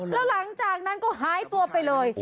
แล้วหลังจากนั้นก็หายตัวไปเลย